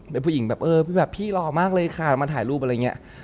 เป็นผู้หญิงแบบเออแบบพี่รอมากเลยค่ะมาถ่ายรูปอะไรอย่างนี้